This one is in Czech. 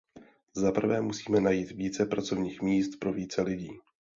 Za prvé musíme najít více pracovních míst pro více lidí.